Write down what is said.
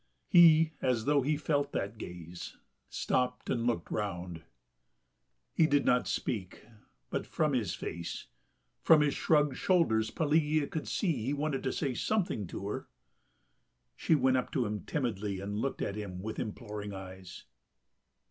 He, as though he felt that gaze, stopped and looked round.... He did not speak, but from his face, from his shrugged shoulders, Pelagea could see that he wanted to say something to her. She went up to him timidly and looked at him with imploring eyes.